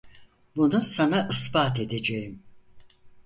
Bunu sana ispat edeceğim…